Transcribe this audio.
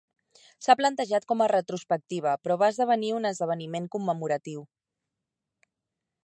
S'ha planejat com retrospectiva però va esdevenir un esdeveniment commemoratiu.